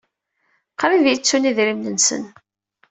Qrib ay ttun idrimen-nsen.